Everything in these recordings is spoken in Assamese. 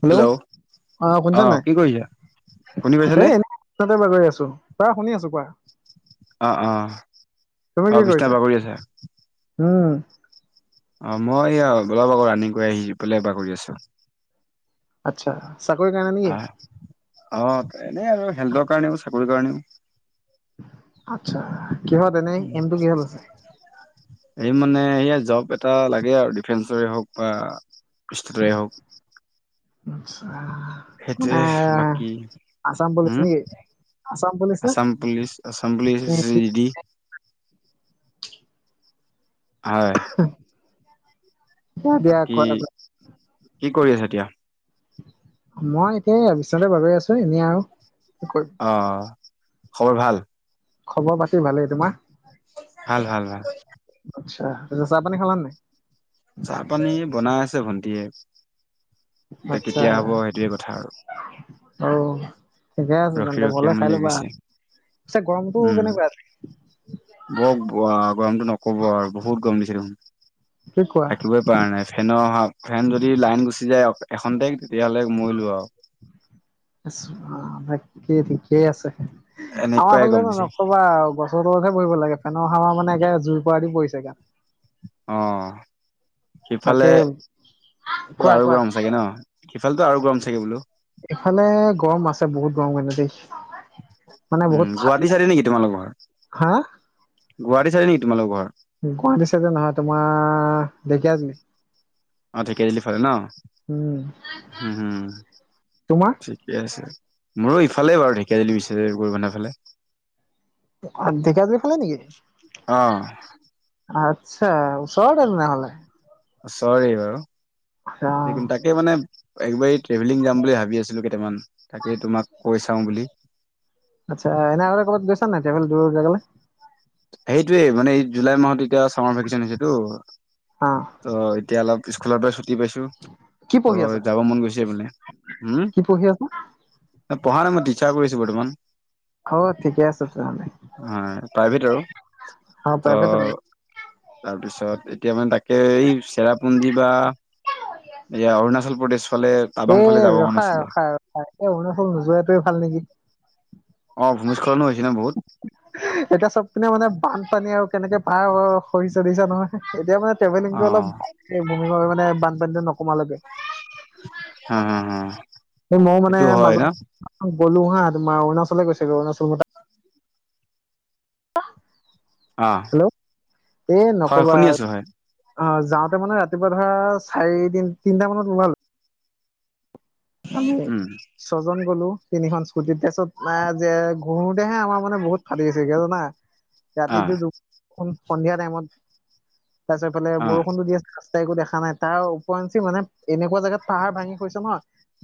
হেল্ল' আহ শুনছ নাই কি কৰিছা শুনি এ পাইছানে এনে বাগৰি আছো প শুনি আছো প অ অ অ বিশষ্না বাগৰি আছো হঁ অ মই অলপ আকৌ ৰানিং কৰি আহি পেলাই এবাৰ কৰি আছো আত্ছা আহ অ এনে আৰু হেল্থৰ কাৰণেও চাকৰিৰ কাৰণেও আত্ছা উ এই মানে সেয়া জব এটা লাগে আৰু ডিফেন্সৰে হওক বা ষ্টেটৰে হওক আছ মানে সেইটোৱে বাকী আছাম পুলিছ উম নেকি আছাম পুলিচ নে আছাম পুলিচ আছাম পুলিচি হয় অ দিয় ক বাকী কি কৰি আছে এতিয়া মই এতিয়া বিশচ্বনাথতে বাগৈ আছো এনেই আৰু কি কৰিম অ খবৰ ভাল খবৰ পাতি ভালেই তোমাৰ ভাল ভাল ভাল আচ্ছা ত চাহ পানী খাল নাই চাহ পানী বনাই আছে ভন্টিয়ে এয়া আচ্ছা কেতিয়া হব সেইটোোৱে কথা আৰু আৰু ৰখি ৰখি আমন ল গৈছে পিছে গৰমটো উম কেনেকুৱা আজি? বৰ গৰমতটো নকব আৰু বহুত গৰম দিছিলো কি কোৱা থাকিবই পৰা নাই ফেনৰ অহা ফেন যদি লাইন গুচি যায় এখনতে তেতিয়াহ'লে মূল ভ তাকেই ঠিকেই আছে আমাৰ এনেকুৱাই গৰম ফালে ন দিছে নকবা বছৰ ওপৰতহে বহিব লাগে ফেনৰ সাৰ মানেে জুই প পৰাৰা দি পৰিছে গান আহ সিফালে তাকে কোৱা আৰু কোৱা গৰম চাগে ন সিফালেতো আৰু গৰম চাগে বোলো এইফালে গৰম আছে বহুত গৰম মানে দেই মানে বহুত উম গুৱাহাটী ঠাণ্ডা চালি নেকি তোমালোক বৰ হা গুৱাটী চাই নেকি তোমালোক ঘৰ গুৱাহাটীছে যে নহয় তোমাৰ দেখি আজমি অ ঢিকেজেলি ফালে ন উম তোমাৰ ঠিকে আছে মোৰো ইফালে বাৰু ঢেকীয়া দিলি বিচ কৰিব নাইফালে দেখে আিব খালে নেকি অ আচ্ছা ওচৰতৰত নহ'লে চৰি বাৰু যোন তাকে মানে একবাৰি ট্ৰেভেলিং যাম বুলি ভাবি আছিলো কেইটামান তাকেই তোমাক কৈ চাওঁ বুলি আচ্ছা এনে আৰুগ ক'বাত গৈছ নাই এতি দৰ গলে সেইটোয়ে মানে এই জুলাই মাহতে এতিয়া চামাৰ ভেকেচন হৈছেতো অ ত এতিয়া অলপ স্কুলৰ পৰাু ৰাতি পাইছো কি ত পঢ়ি আছা যাব মন গৈছে বোলে হম কি পঢ়ি আছা ন পঢ়া নাই মই ইচ্া কৰিছো বৰ্তমান অ ঠিকে আছে তেহলে হয় প্ৰাইভেট আৰু অ প্ৰাই তাৰ পিছত এতিয়া মানে তাকে এই চেৰাপুঞ্জী বা এয়া অৰুণাচল প্ৰদেশ ফালে টাবাং এই ফালে যাব মন ৰখা আছিলে ৰখা ৰখা এই অৰুণাচল নোযোৱাাতোৱে ভাল নেকি অ ভূমিস্খলনো হৈছে ন বহুত এতিয়া চবপিনে মানে বানপানী আৰু কেনেকে পায় সৰি চলিছো নহয় এতিয়া মানে অ ভেল অলপমিে মানে বানপানীটো নকমালকে হা হা হা ময় মানে এইটো হয় ন মাজত বলো হা তমাৰ অৰুাচলে কৈছেো অৰুণাচল ম অ হেল্ল' এ হয় নকবা শুনি আছো হয় অ যাওঁতে মানে ৰাতিপুৱা ধৰা চাৰিদিন তিনটা মানত লালো উম ছজন গলো তিনিখন স্কুট তাৰছত ঘুৰোতেহে আমাৰ মানে বহুত ফাটি গৈছেগে জানা অ ৰাতিতটো দু সন্ধিয়া টাইমত তাৰপিছত এইফালে অ বৰষুণটো দি আছে ত একো দেখা নাই তাৰ উপওৰঞ্চি মানে এনেকুৱা জোগাত পাহাৰ ভাঙি খৈছে ন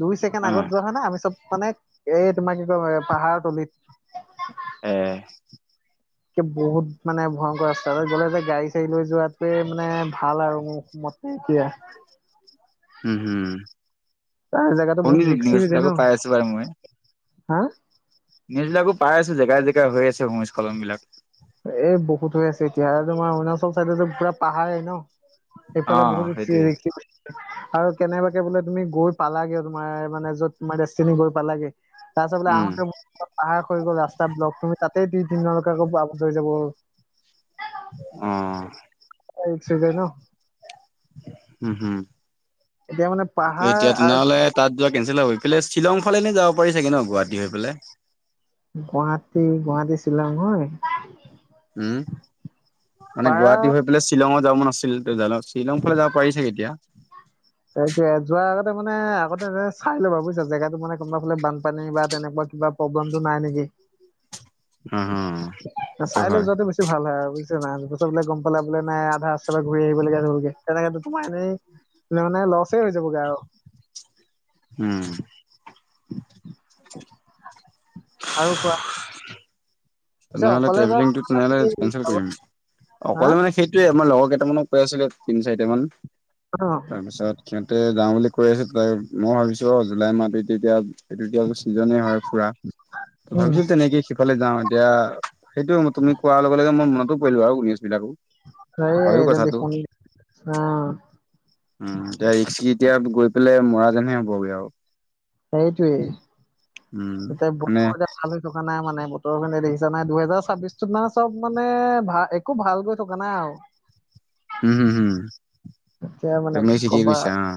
দুই ছেকেণ্ড অ আগত যোৱা হয় ন আমি চব মানে এই তোমাৰ কি ক পাহাৰ তলিত উম এে বহুত মানে ভয়ংকৰ ৰাস্তা গ'লে গাড়ী চাড়ীৈ যোৱাোৱে মানে ভাল আৰু মোৰয় দিয়া। হম, হম। তাৰ জেগাতো বহুত শুনিছো ৰিক্সি নিউজ হৈ যায় বিলাকো ন পাই আছো বাৰে মই। হা নিজবিলাকো পাই আছো, জেগাই জেগাই হৈ আছে ভূমিস্খলন বিলাক। এই বহুত হৈ আছে এতিয়া তোমাৰ অৰুণাচল চাইডতো পুৰা পাহাৰ ন অ এইফালে সেইটোৱে। বহুতখ আৰু কেনেবাকে বোলে তুমি গৈ পালাগে তোমাৰ মানে য'ত তোমাৰ ডেষ্টিনী গৈ পালাগে তাৰ পিছত বলে উম আহোঁতে পাহাৰ হৈ গ'ল ৰাস্তা ব্লক তুমি তাতেই দিিনকে আ বৰ অহ' এতিয়া আহি ছেগৈ ন। এতিয়া মানে ত পাহাৰ এতিয়া আৰু তেনেহ'লে তাত যোৱা কে [unintelligible] পেলায় শ্বিলং ফালে এনে যাব পাৰি চাগে ন গুৱাহাটী হৈ পেলাই। গুৱাহাটী গুৱাহাটী ছিলং হয়। উম, মানে পাৰা গুৱাহাটী হৈ পেলাই শ্বিলংত যাব মন আাছে। শ্বিলং যাব ফালে যাব পাৰিছে এতিয়া। সেইয়ে যোৱা আগতে মানে আগতে এ চাই ল'বা বুজিছােগাতটো মানে কোনোবা ফালে বানপানী বা তেনেকুৱা কিবা প্ৰব্লেমটো নাই নেকি? [inaudible] হ হ সেইটো চাই লৈ হয় যোৱাতে বেছি ভাল হয়, আৰু বুজিছা নাই পিছত বোলে গ'ম পালে বোলে নাই আধা ৰাস্ত পৰা ঘূৰি আহিবলাগে ধলকে তেনেকেতোমাৰ এনেই ম মানে লছে হৈ যাবগৈ আৰু। উম। আৰু কোৱা। [inaudible] পিছে তেনেহলে অকলে ট্ৰেভেলিং যোৱা টো কথা নে কি? কেনচেল কৰি দিব লাগিব, অ' মানে হা গ'লে মানে সেইটোৱে আমাৰ লগৰ কেইটামানত কৈ আছিলে তিন চাৰিট মান অ তাৰ পিছত সিহঁতে যাওঁ বুলি কৈ আছো মই ভাবিছো অ' জুলাই মাতি লিবিয়া। সেইটো এতিয়া আকৌ ছিজনেই হয়। পুৰা উম ভাবিছিল তেনেকে সিফালে যাওঁ। এতিয়া সেইটো তুমি কোৱাৰ লগে লগে মই মনতো পৰিলো আৰু নিউজ বিলাকো। নাই হয়ো এয়াতে কথাটো দেখুন অ' উম, দে এতিয়া এতিয়া গৈ পেলাই মৰা যেনহে হ'বগৈ, আৰু সেইটোৱেই উম এতিয়া মানে বষ ভাল হৈ থকা নাই মানে। ত' মানে দেখিছা নাই। দুহেজাৰ ছাব্বিশটোত নহয় চ'ব মানে ভাল, একো ভাল গৈ থকা নাই আৰু। উম, উম, উম এতিয়া মানে তুমি কি থিকেই কবা কৈছা অ'।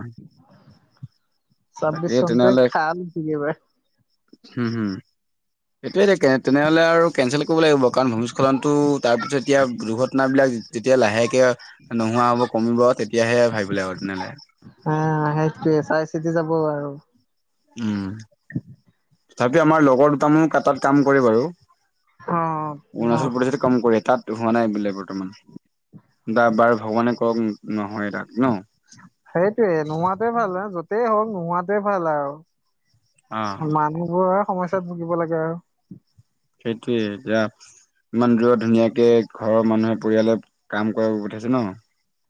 ছাব্বিছ বাকী চনটোৱে তেনেহলে [unintelligible] একেবাৰে। হম হম [unintelligible] তেনেহ'লে আৰু তেনেহ'লে কেনঞ্চেল কৰিব লাগিব। কাৰণ ভূমিস্খলনটো, তাৰপিছত এতিয়া দুৰ্ঘটনাবিলাক যেতিয়া লাহেকে নোহোৱা হ'ব, কমিব। তেতিয়াহে ভাবিবলৈ আৰু তেনে হ'লে। উম। চিতি যাব আৰু। উম, তথাপিও আমাৰ লগৰ দুটামান তাৰতাত কাম কৰে বাৰু। অ অ অৰুণাচল প্ৰদেশতে কাম কৰে। তাত হোৱা নাই বোলে বৰ্তমান। দা বাৰ ভগৱানে কওক উম, নহয় তাক ন। সেইটোয়ে। নোহোৱাটোৱেই ভাল বাৰু। যতেই হওঁক নোহোৱাটোৱেই ভাল অ', আৰু। মানুহবোৰৰ সমস্যাত ভুগিব লাগে আৰু। সেইটোৱেই। এতিয়া ইমান দূৰৰত ধুনীয়াকে ঘৰৰ মানুহে পৰিয়ালে কাম কৰাই পঠাইছে ন।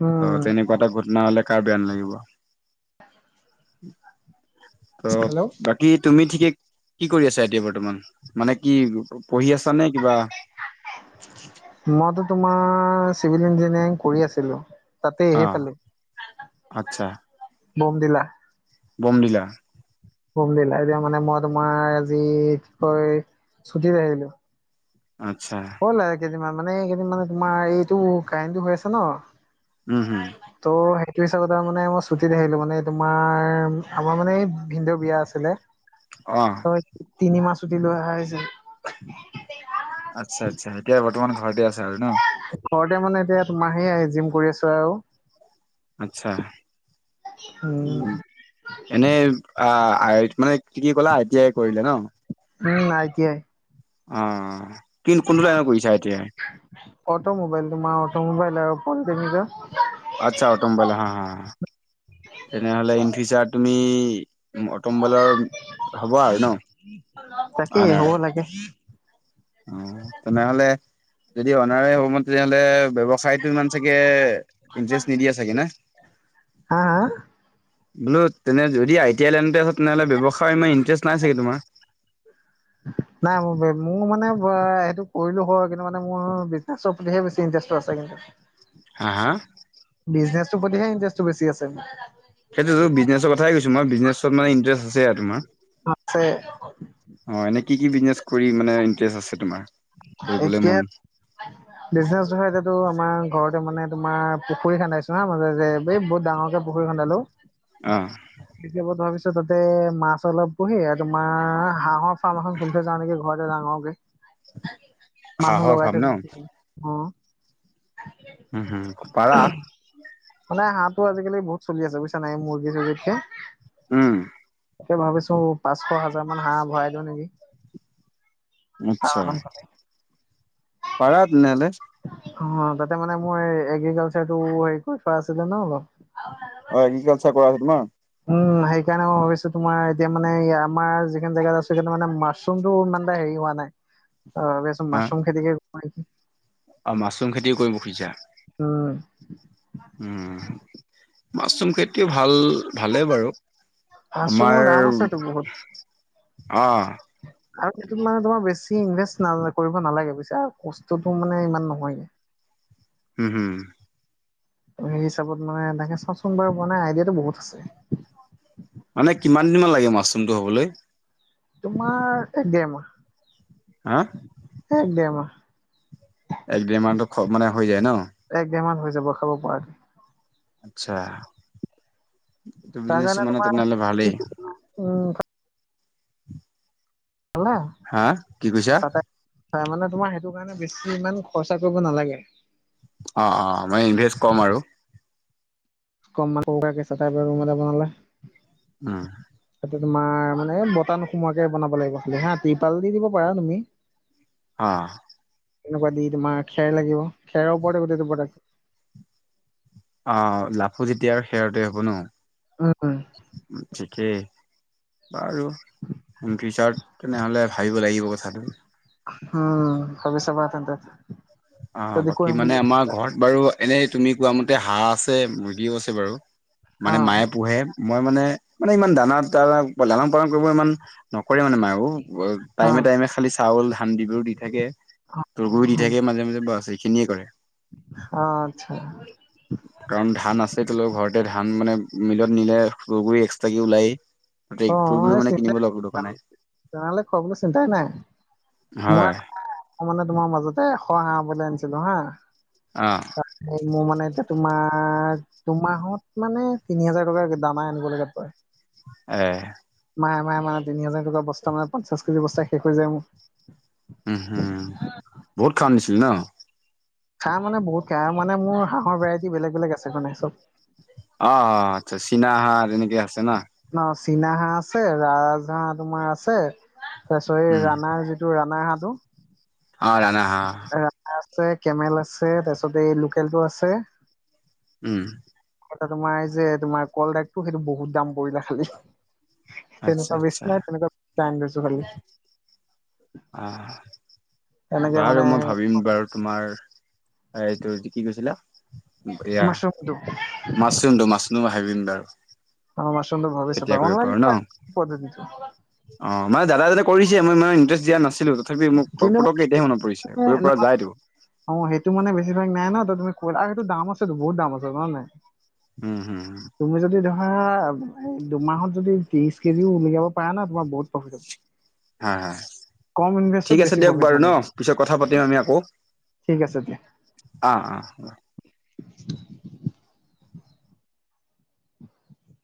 উম ত'তেনেকুৱা এটা ঘটনা হ'লে কাৰ বেয়া নালাগিব। হেল্ল' ত'বাকী তুমি ঠিকে, কি কৰি আছা এতিয়া বৰ্তমান? মানে কি পঢ়ি আছা নে? কিবা মইতো তোমাৰ চিভিল ইঞ্জিনিয়াৰিং কৰি আছিলো। তাতে আহ, সেইফালে আচ্ছা। বমদিলা। বমদিলা। হুম দিল্লা এতিয়া মানে মই তোমাৰ আজি কি কয় ছুটিত আহিলো। আচ্ছা। ইমান মানে এইকেইদিন মানে তোমাৰ এইটো কাৰেণ্টো হৈ আছে ন। উম হম ত' এইছেগতে আও মানে মই ছুটীত আহিলোঁ মানে, তোমাৰ আমাৰ মানে, এই ভিনদেউ বিয়া আছিলে অ ত' তিনি মাহ ছুটি লৈ অহা হৈছে। আচ্ছা, আচ্ছা এতিয়া বৰ্তমান ঘৰতে আছে আৰু ন? ঘৰতে মানে, এতিয়া তোমা সেয়া জিম কৰি আছো আৰু। আচ্ছা, উম, এনেই আ-আইত মানে কি কি কলা, আইতিয়াই কৰিলে ন? উম, আইতিয়াই। অ', কি কোনটো লাইনত পঢ়িছা এতিয়া? অ'টমোবাইল, তোমাৰ অ'টমোবাইল আৰু ফোন ডেমিজৰ। আচ্ছা, অ'টমোবাইল হা, হা, হা। তেনেহলে ইন ফিউচাৰট তুমি অ'টমোবাইলৰ হ'ব আৰু ন? তাকেই অনাৰ হ'ব লাগে। অ', তেনেহ'লে যদি অনাৰে হ'ব মন, তেতিয়া হ'লে ব্যৱসায়ত ইমান চাগে ইণ্টাৰেষ্ট নিদিয়ে চাগে না? [inaudible] হা, হা। বোলো, তেনে যদি আই টি আই লাইনতে হয়, তেনেহ'লে ব্যৱসায় ইমান ইণ্টাৰেষ্ট নাই চাগে তোমাৰ? নাই, মোৰ - মোৰ মানে হ'ল বৰ সেইটো কৰিলো হয়, কিন্তু মানে মোৰ বিজনেছৰ প্ৰতিহে বেছি ইন যথেষ্ট আছে কিন্তু। হা, হা। বিজনেছটো প্ৰতিহে ইন্টাৰেষ্টটো বেছি আছে। সেইটোতো, বিজনেছৰ কথাই কৈছো মই, বিজনেছত মানে ইণ্টাৰেষ্ট আছে আৰু তোমাৰ? আছে অ', এনেই কি কি বিজনেচ কৰিম, মানে ইণ্টাৰেষ্ট আছে তোমাৰ? কৰিবলৈ এতিয়া, মন বিজনেচ ধৰা, এতিয়াটো আমাৰ ঘৰতে মানে তোমাৰ পুখুৰী খন্দাইছো হা [unintelligible] এই বহুত ডাঙৰকে পুখুৰী খান্দালো। অ', ত' তাতে মাছ অলপ পোহি আৰু তোমাৰ হাঁহৰ ফাৰ্ম এখন খুলি থৈ যাওঁ নেকি ঘৰত ডাঙৰকে মানুহ হাঁহৰ লগাই ফাৰ্ম থৈ, ন অ', উম, হুম, পাৰা। ত' আজিকালি বহুত চলি আছে বুজিছা নাই মুৰ্গী চুৰ্গীতকে। উম, তে ভাবিছো পাঁচশ হাজাৰ মান হাঁহ ভৰাই দিওঁ নেকি। ফাৰ্ম আচ্ছা। এখন খুলি পাৰা তেনে হ'লে। অ', তাতে মানে মই এগ্ৰিকালচাৰটো হেৰি কৰি থোৱা আছিলে ন' অলপ। অ', এগ্ৰিকালচাৰ কৰা আছে তোমাৰ। উম, সেইকাৰণে মই ভাবিছো তোমাৰ এতিয়া মানে আমাৰ যিখন জেগাত আছো সেইটো মানে মাছৰুমটো ইমান এটা হেৰি হোৱা নাই ত' ভাবি আছো মাছৰুম খেতিকে কৰো নকি। অ', মাছৰুম খেতিও কৰিব খুজিছা। উম, উম, মাছৰুম খেতিও ভাল ভালে বাৰু। মাছৰুমৰ আমাৰ দাম আছেতো বহুত। অ' আৰু সেইটোত মানে তোমাৰ বেছি ইনভেষ্ট ন কৰিব নালাগে বুজছা কষ্টটো মানে ইমান নহয়। হম হুম। সেই হিচাপত মানে তাকে চাওঁচোন বাৰু মানে আইডিয়াটো বহুত আছে। মানে কিমান দিনমান লাগে মাছৰুমটো হবলৈ? তোমাৰ এক হা দেৰমাহ, এক দেৰমাহ। এক দেৰ মান মানে হৈ যায় ন? এক ডেৰ মাহ হৈ যাব খাব পৰা কে। আচ্ছা, এইটো তাৰ বিজনেছটো কাৰণে মানে তোমাৰ তেনে হ'লে ভালেই। উম, খালা? হা কি কৈছা? হয় মানে তোমাৰ সেইটো কাৰণে বেছি ইমান খৰচা কৰিব নালাগে। অ', অ', মানে ইনভেষ্ট কম আৰু। কমান সৰু সুৰাকে চাতাইবেৰ ৰুম বনালা। অহ। তোমাৰ মানে বটান সোমোৱাকে বনাব লাগিব খালি হা তিপাল দি দিব পাৰা তুমি। অহ। এনেকুৱা দি তোমাৰ খেৰ লাগিব খেৰৰ ওপৰত গোটেইটো। অ' লাফু যেতিয়া আৰু শেৰতে হব উম ন' ঠিকেই। বাৰু ইন ফিউচাৰত তেনেহলে ভাবিব লাগিব কথাটো। উম ভবি চাবা তেন্তে। অ' যদি বাকী কৰিম মানে বুলি আমাৰ ঘৰত বাৰু এনেই তুমি কোৱা মতে হাঁহ আছে মুৰ্গীও আছে বাৰু, অ মানে মায়ে পোহে মই মানে মানে ইমান দানা দা লালন পালন কৰিব ইমান নক কৰে মানে মায়ো অ টাইমে টাইমে খালি চাউল ধান দিবোৰো দি থাকে, তৰ্কুও দি থাকে মাজে বাছ এইখিনিয়ে কৰে। অ' আচ্ছা। কাৰণ ধান আছে তলোকৰ ঘৰত ততে ধান মানে মিলত নিলেু টোগুৰি এক্সট্ৰাক ওলাইয়ে। অ' এ চন্তাই তেনেহলে খোৱা বলে চিন্তাই নাই। মই হয় অকানে তোমাৰ মাজতে ক হা ব আনিছিলো হা, অ তাৰ মোৰ মানে এতিয়া তোমাৰ দুমাহত মানে তিনি হাজাৰ টকা দানা আনিব লগীয়াত পৰে। আহ। মাহে মাহে মানে তিনি হাজাৰ টকা বস্ত মানে পঞ্চাশ কেজি বস্ত শেষ হৈ যায় মোৰ। উম হম বহুত খাঅন দিছিলি ন'। খাহ মানে বহুত খাই আৰু মানে মোৰ হাঁহৰ ভেৰাইটি বেলেগ বেলেগ আছে মানে চব। অ', অ', আচ্ছা চীনাহাৰ এনেকে আছে ন'। ন চীনা হাঁহ আছে ৰাজহাঁহ তোমাৰ আছে তাৰিছ এই উম ৰানাৰ যিটো ৰানাৰ হা টো। অ', ৰানা হা অ'। আছে কেমেল আছে তাৰপিছত এই লোকেল টো আছে। উম। তোমাৰ এই যে তোমাৰ কল দাইটো সেইটো বহুত দাম পৰিল খালি। আচ্ছা তেনেকুৱা আচ্ছা বেছি নাই তেনেকুৱা দুটা আনি থৈছোঁ খালী। আহ, এনেকে বাৰু মানে মই ভাবিম বাৰু তোমাৰ এই এইটো কি কৈছিলা এয়া মাছৰুমটো মাছচোন তটো মাছ মই ভাবিম বাৰু। অ' মস্ৰুমটো ভাবি কেতিয়া চাবা, কৰিব অনলাইন পাৰো ন পদ্ধতিটো অ' মানে দাদা এজনে কৰিছে মই ইমানো ইণ্টাৰেষ্ট দিয়া নাছিলো তথাপি মোক কিন্তু মানে পটকেতিয়া সেইটো অ সেইটো মানে বেছিভাগ নাই ন ত তুমি কলা সেইটো দাম আছেতো বহুত দাম আছে নয় নয় উম হুম তুমি যদি দুমাহত যদি ত্ৰিশ কেজিও উলিয়াব পাৰা ন তোমাৰ বহুত প্ৰফিট হ'বল হ হ ঠিক আছে বেছি দিয়ক প্ৰফিট বাৰু ন মানে পিছত কথা পাতিম আমি আকৌ ঠিক আছে দিয়া আ আ হ'ব।